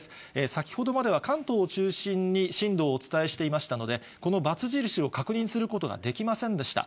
先ほどまでは関東を中心に震度をお伝えしていましたので、この×印を確認することができませんでした。